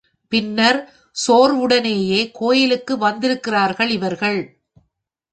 பின்னர் சோர்வுடனேயே கோயிலுக்கு வந்திருக்கிறார்கள் இவர்கள்.